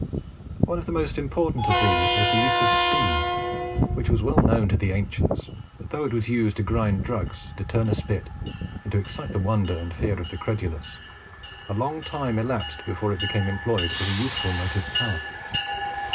One of the most important of these is the use of Steam, which was well known to the ancients; but though it was used to grind drugs, to turn a spit, and to excite the wonder and fear of the credulous, a long time elapsed before it became employed as a useful motive power.